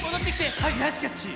はいナイスキャッチ。